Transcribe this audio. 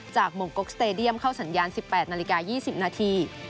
หมงกกสเตดียมเข้าสัญญาณ๑๘นาฬิกา๒๐นาที